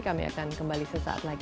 kami akan kembali sesaat lagi